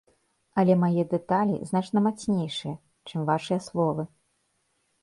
Але мае дэталі значна мацнейшыя, чым вашы словы.